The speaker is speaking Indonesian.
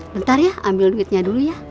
bentar ya ambil duitnya dulu ya